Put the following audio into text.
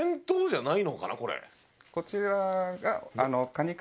こちらが。